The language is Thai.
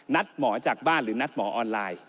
นัดหมอจากบ้านหรือนัดหมอออนไลน์